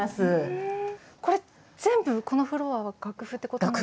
これ全部このフロアは楽譜ってことなんですか？